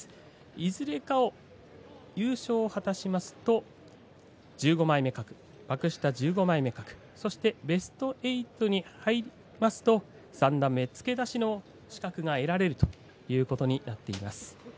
いずれかの優勝を果たしますと幕下１５枚目格ベスト８に入りますと三段目付け出しの資格が得られるということになっています。